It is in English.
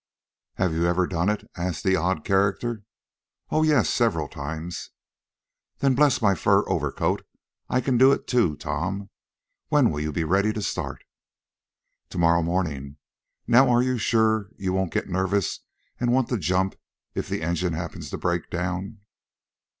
"Have you ever done it?" asked the odd character. "Oh, yes, several times." "Then, bless my fur overcoat! I can do it, too, Tom. When will you be ready to start?" "To morrow morning. Now you are sure you won't get nervous and want to jump, if the engine happens to break down?"